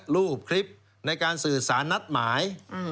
รูปคลิปในการสื่อสารนัดหมาย